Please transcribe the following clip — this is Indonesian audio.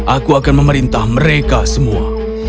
aku akan memerintah mereka semua